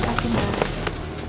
makasih ya tante